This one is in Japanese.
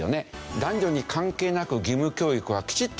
男女に関係なく義務教育がきちっと受けられる。